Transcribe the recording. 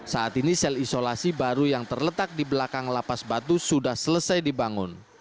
saat ini sel isolasi baru yang terletak di belakang lapas batu sudah selesai dibangun